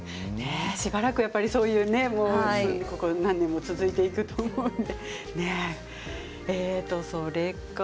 しばらくここ何年も続いていくと思うので。